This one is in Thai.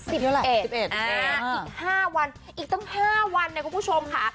อีก๕วันอีกตั้ง๕วันคุณผู้ชมค่ะ